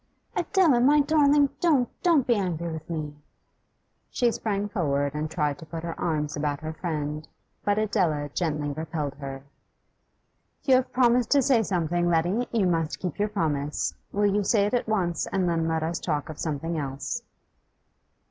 'Adela, my darling! Don't, don't be angry with me!' She sprang forward and tried to put her arms about her friend, but Adela gently repelled her. 'If you have promised to say something, Letty, you must keep your promise. Will you say it at once, and then let us talk of something else?